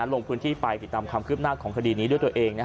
ลงพื้นที่ไปติดตามความคืบหน้าของคดีนี้ด้วยตัวเอง